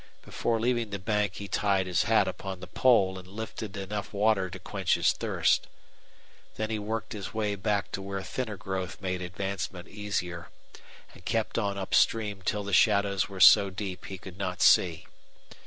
Before leaving the bank he tied his hat upon the pole and lifted enough water to quench his thirst. Then he worked his way back to where thinner growth made advancement easier, and kept on up stream till the shadows were so deep he could not see.